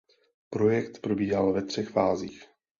Projekt probíhal ve třech fázích.